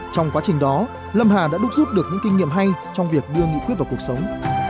trong quá trình đó lâm hà đã đúc rút được những kinh nghiệm hay trong việc đưa nghị quyết vào cuộc sống